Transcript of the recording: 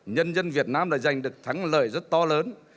nhân dân việt nam đã giành được thắng lợi rất to lớn